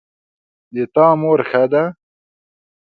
د تا مور ښه ده